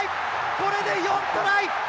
これで４トライ！